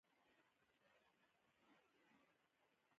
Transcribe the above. شیرپیره له څه شي جوړیږي؟